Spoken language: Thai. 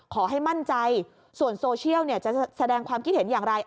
ขอให้มั่นใจส่วนโซเชียลจะแสดงความคิดเห็นอย่างไร